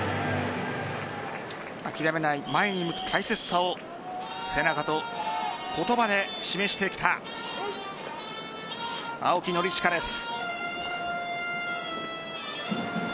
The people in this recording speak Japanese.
諦めない、前を向く大切さを背中と言葉で示してきた青木宣親です。